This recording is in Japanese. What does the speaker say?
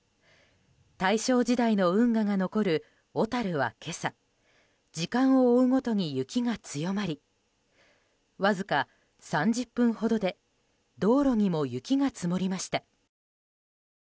大正時代の運河が残る小樽は今朝時間を追うごとに雪が強まりわずか３０分ほどで道路にも雪が積もりました。